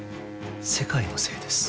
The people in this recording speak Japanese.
世界のせいです。